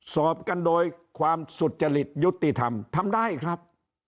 สอบกันโดยความสุจริตยุติธรรมทำได้ครับ